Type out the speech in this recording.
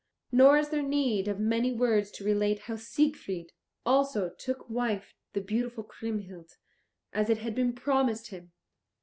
Nor is there need of many words to relate how Siegfried also took to wife the beautiful Kriemhild, as it had been promised him.